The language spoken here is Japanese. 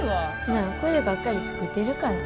まあこればっかり作ってるから。